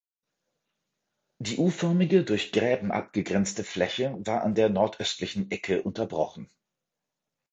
Die U-förmige, durch Gräben abgegrenzte Fläche war an der nordöstlichen Ecke unterbrochen.